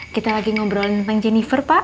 kita lagi ngobrol tentang jennifer pak